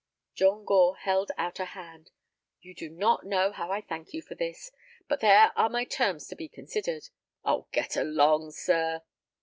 John Gore held out a hand. "You do not know how I thank you for this. But there are my terms to be considered." "Oh, get along, sir."